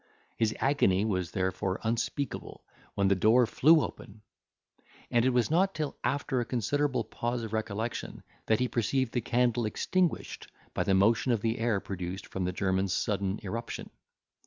His agony was therefore unspeakable, when the door flew open; and it was not till after a considerable pause of recollection, that he perceived the candle extinguished by the motion of the air produced from the German's sudden irruption.